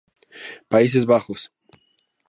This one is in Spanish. Países Bajos.